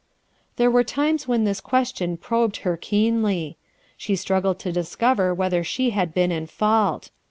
There were times when this question probed her keenly. She struggled to discover whether she had been in fault.